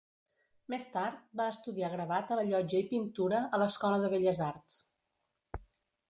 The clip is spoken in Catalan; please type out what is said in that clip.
Més tard, va estudiar gravat a la Llotja i pintura a l'Escola de Belles Arts.